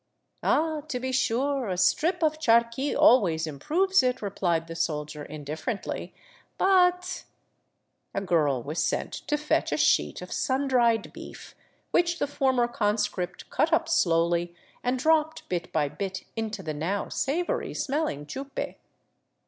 "'* Ah, to be sure, a strip of charqui always improves it," replied the soldier indifferently, " but ..." A girl was sent to fetch a sheet of sun dried beef, which the former conscript cut up slowly and dropped bit by bit into the now savory smelling chupe.